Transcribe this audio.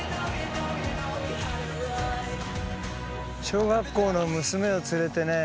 小学校の娘を連れてね